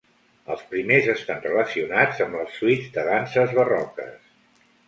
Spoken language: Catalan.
Els primers estan relacionats amb les suites de danses barroques.